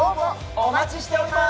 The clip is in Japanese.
お待ちしております。